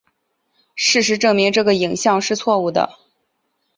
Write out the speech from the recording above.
事实证明这个影像是错误的。